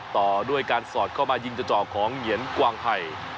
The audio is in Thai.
ต่อด้วยการสอดเข้ามายิงกระจอกของเหยียนกวางไผ่